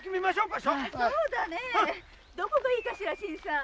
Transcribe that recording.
そうだねどこがいいかしら新さん。